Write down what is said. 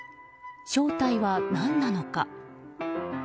正体は何なのか。